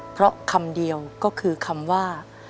เพราะคำเดียวก็คือคำว่า